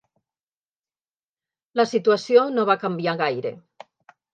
La situació no va canviar gaire.